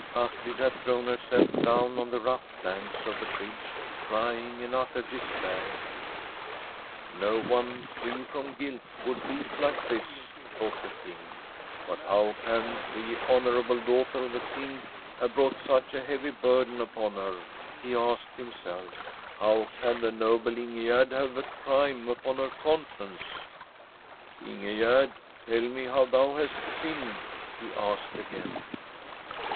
Astrid had thrown herself down on the rough planks of the bridge, crying in utter despair. ' No one free from guilt would weep like this,' thought the King. ' But how can the honour able daughter of the King have brought such a [ao9] From a SffEDISH HOMESTEAD heavy burden upon her?' he asked himself. ' How can the noble Ingegerd have a crime upon her conscience ?'' Ingegerd, tell me how thou hast sinned/ he asked again.